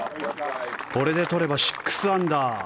これで取れば６アンダー。